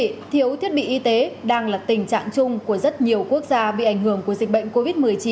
các doanh nghiệp y tế đang là tình trạng chung của rất nhiều quốc gia bị ảnh hưởng của dịch bệnh covid một mươi chín